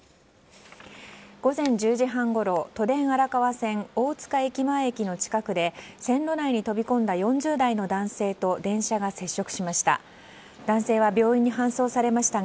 午前１０時半ごろ都電荒川線大塚駅前駅の近くで線路内に飛び込んだ４０代の男性と電車が接触しました。